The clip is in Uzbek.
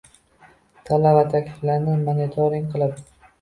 talab va takliflarini monitoring qilib